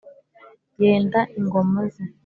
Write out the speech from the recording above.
yenda ingoma ze,